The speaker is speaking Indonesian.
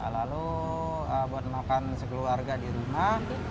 lalu buat makan sekeluarga di rumah